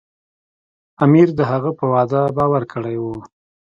امیر د هغه په وعده باور کړی و.